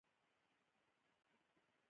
هېواد د امید څراغ بل ساتي.